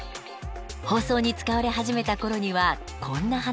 放送に使われ始めた頃にはこんな話も。